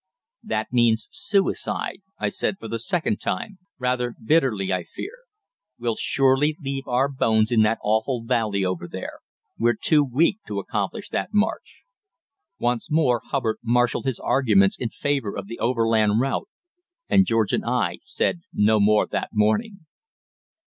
"That means suicide," I said for the second time, rather bitterly, I fear. "We'll surely leave our bones in that awful valley over there. We're too weak to accomplish that march." Once more Hubbard marshalled his arguments in favour of the overland route, and George and I said no more that morning.